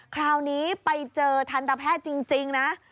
คราวนี้ไปเจอทันตแพทย์จริงนะ